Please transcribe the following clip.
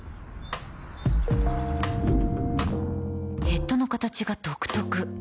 ヘッドの形が独特